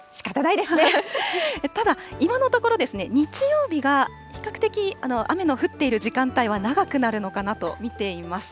ただ、今のところ、日曜日が比較的、雨の降っている時間帯は長くなるのかなと見ています。